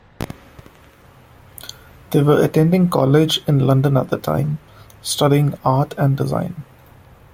They were attending college in London at the time, studying art and design.